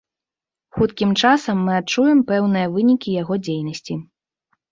Хуткім часам мы адчуем пэўныя вынікі яго дзейнасці.